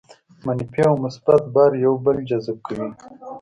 منفي او مثبت بار یو بل جذب کوي.